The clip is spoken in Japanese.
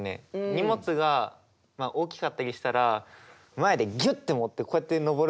荷物が大きかったりしたら前でギュッて持ってこうやって上るんですよ。